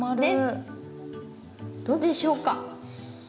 どうでしょうか？